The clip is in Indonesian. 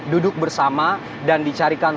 duduk bersama dan dicarikan